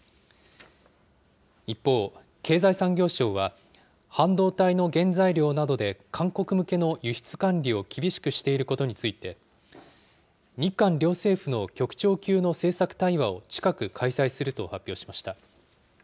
一方、経済産業省は、半導体の原材料などで韓国向けの輸出管理を厳しくしていることについて、日韓両政府の局長級の政策対話を近く開催すると発表しました。